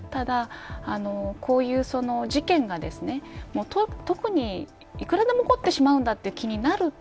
こういう事件がいくらでも起こってしまうんだという気になると